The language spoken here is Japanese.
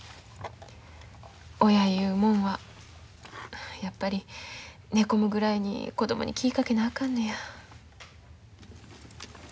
親いうもんはやっぱり寝込むぐらいに子供に気ぃかけなあかんのや。